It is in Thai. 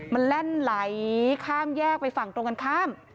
มันแล่นไหลข้ามแยกไปฝั่งตรงกันข้าม